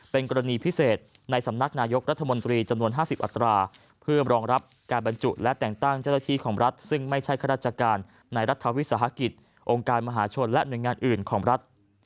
เป็นกรณีพิเศษในสำนักนายกรัฐมนตรีจำนวน๕๐อัตราเพื่อรองรับการบรรจุและแต่งตั้งเจ้าหน้าที่ของรัฐซึ่งไม่ใช่ข้าราชการในรัฐวิสาหกิจองค์การมหาชนและหน่วยงานอื่นของรัฐ